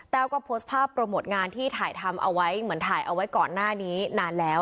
ก็โพสต์ภาพโปรโมทงานที่ถ่ายทำเอาไว้เหมือนถ่ายเอาไว้ก่อนหน้านี้นานแล้ว